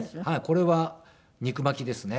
これは肉巻きですね。